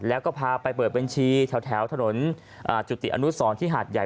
แล้วก็พาไปเปิดบัญชีแถวถนนจุติอนุสรที่หาดใหญ่